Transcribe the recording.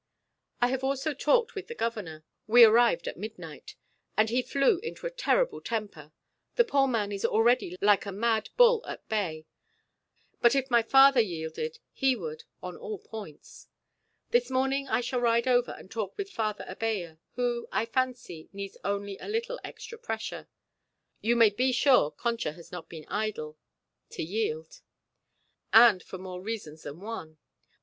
I have also talked with the Governor we arrived at midnight and he flew into a terrible temper the poor man is already like a mad bull at bay but if my father yielded, he would on all points. This morning I shall ride over and talk with Father Abella, who, I fancy, needs only a little extra pressure you may be sure Concha has not been idle to yield; and for more reasons than one.